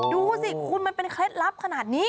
ดูสิคุณมันเป็นเคล็ดลับขนาดนี้